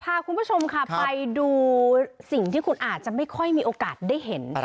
พาคุณผู้ชมค่ะไปดูสิ่งที่คุณอาจจะไม่ค่อยมีโอกาสได้เห็น